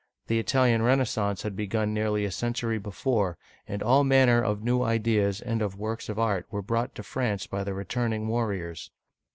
The Italian Renais sance had begun nearly a century before, and all manner of new ideas and of works of art were brought to France by the returning warriors.